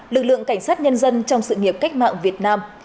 lực lượng cảnh sát nhân dân trong sự nghiệp cách mạng việt nam